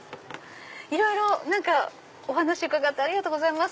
いろいろお話伺ってありがとうございます。